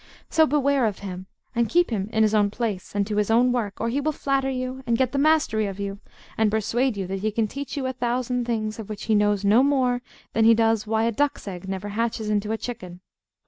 So beware of him, and keep him in his own place, and to his own work, or he will flatter you, and get the mastery of you, and persuade you that he can teach you a thousand things of which he knows no more than he does why a duck's egg never hatches into a chicken.